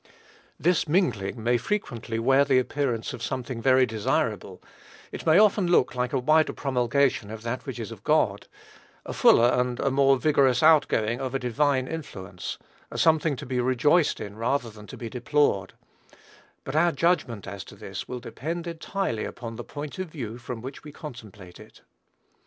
This mingling may frequently wear the appearance of something very desirable; it may often look like a wider promulgation of that which is of God, a fuller and a more vigorous outgoing of a divine influence, a something to be rejoiced in rather than to be deplored: but our judgment as to this will depend entirely upon the point of view from which we contemplate it.